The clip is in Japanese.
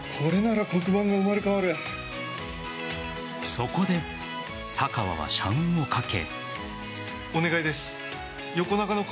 そこで坂和は社運をかけ。